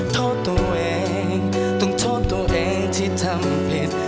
โทษตัวเองต้องโทษตัวเองที่ทำผิด